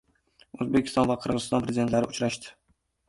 O‘zbekiston va Qirg‘iziston Prezidentlari uchrashdi